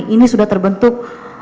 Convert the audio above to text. ini sudah terbentuk